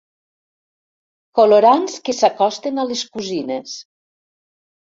Colorants que s'acosten a les cosines.